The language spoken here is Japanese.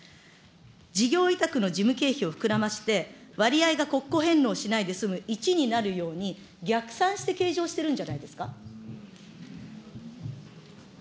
事業委託の事務経費を膨らませて、割合が国庫返納しないで済む１になるように逆算して計上してるんじゃないですか。